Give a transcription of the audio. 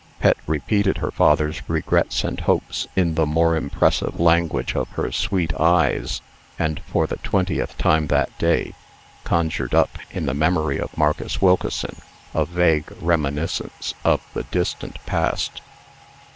Pet repeated her father's regrets and hopes in the more impressive language of her sweet eyes, and, for the twentieth time that day, conjured up, in the memory of Marcus Wilkeson, a vague reminiscence of the distant past.